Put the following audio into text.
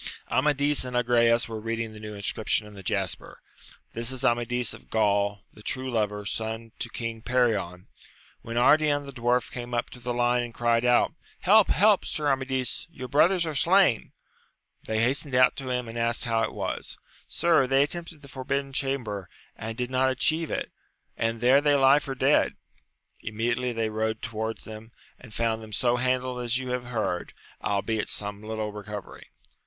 Amadis and Agrayes were reading the new inscrip tion in the jasper, This is Amadis of GranI, the true lover, son to King Perion, — ^when Ardian the dwarf came up to the line, and cried out, Help ! help, Sir Amadis, your brothers are slain ! They hastened out to him, and asked how it was. — Sir, they attempted the forbidden chamber, and did not atchieve it, and there they lie for dead ! Immediately they rode to wards them, and found them so handled as you have heard, albeit some little recovering.